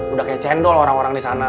udah kayak cendol orang orang disana